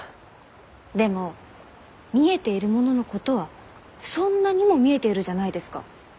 でも見えているもののことはそんなにも見えているじゃないですか。